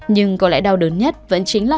nhưng có lẽ đau đớn nhất vẫn chính là